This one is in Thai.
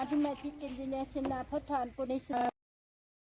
อืม